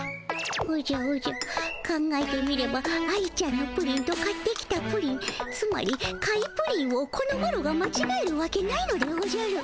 おじゃおじゃ考えてみれば愛ちゃんのプリンと買ってきたプリンつまり買いプリンをこのマロがまちがえるわけないのでおじゃる。